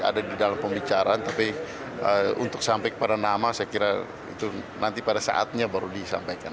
ada di dalam pembicaraan tapi untuk sampai kepada nama saya kira itu nanti pada saatnya baru disampaikan